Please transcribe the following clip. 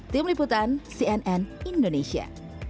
tim liputan cnn indonesia